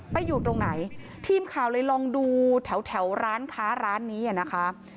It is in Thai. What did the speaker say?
ไปอยู่ตรงไหนทีมข่าวเลยลองดูแถวร้านค้าร้านนี้นะคะ